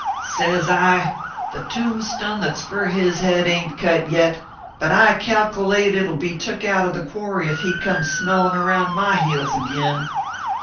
Sez I : The tombstun that s fur his head ain t cut yet : but I calkilate it ll be took out of the quarry ef he comes smellin around my heels ag in.